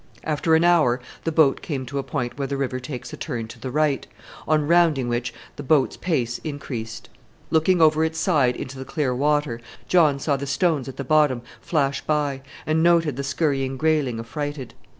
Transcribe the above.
After an hour the boat came to a point where the river takes a turn to the right, on rounding which the boat's pace increased. Looking over its side into the clear water, John saw the stones at the bottom flash by, and noted the scurrying greyling affrighted.